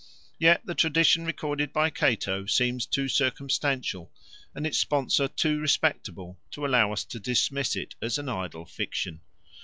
Yet the tradition recorded by Cato seems too circumstantial, and its sponsor too respectable, to allow us to dismiss it as an idle fiction.